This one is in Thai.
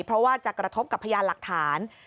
เพราะว่าจะกระทบกับพยานหลักฐาน